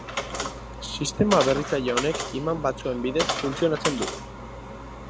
Sistema berritzaile honek iman batzuen bidez funtzionatzen du.